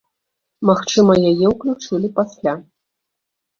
Магчыма, яе ўключылі пасля.